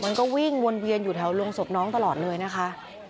มันก็วิ่งวนเวียนอยู่แถวโรงศพน้องตลอดเลยนะคะ